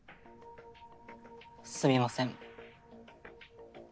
すみません。